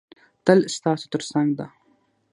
تل ستاسو تر څنګ ده.